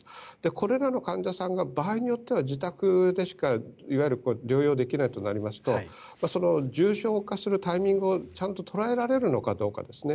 これらの患者さんが場合によっては自宅でしか療養できないとなりますとその重症化するタイミングをちゃんと捉えられるのかどうかですね。